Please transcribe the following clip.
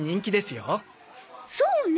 そうね